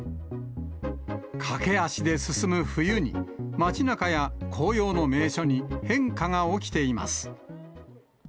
駆け足で進む冬に、街なかや紅葉の名所に変化が起きています。